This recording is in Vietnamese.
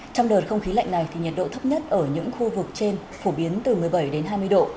trong đợt không khí lạnh này thì nhiệt độ thấp nhất ở những khu vực trên phổ biến từ một mươi bảy đến hai mươi độ